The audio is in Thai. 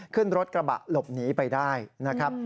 ขึ้นรถกระบะหลบหนีไปได้นะครับ